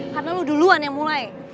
karena lu duluan yang mulai